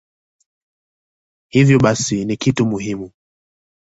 Hivyo basi ni kituo muhimu.